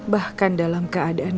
bahkan dalam keadaan